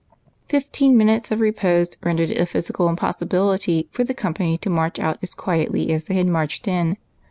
Fifteen minutes of repose rendered it a physical impossibility for the company to march out as quietly as they had marched in.